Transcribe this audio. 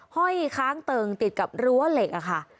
ห้อยค้างเติ่งติดกับรั้วเหล็กค่ะ